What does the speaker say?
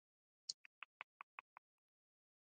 دا ښارونه د نجونو د پرمختګ لپاره فرصتونه برابروي.